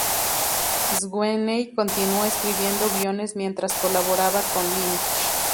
Sweeney continuó escribiendo guiones mientras colaboraba con Lynch.